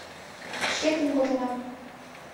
Шкетын кодынам.